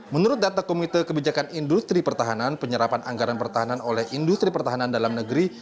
menurut data komite kebijakan industri pertahanan penyerapan anggaran pertahanan oleh industri pertahanan dalam negeri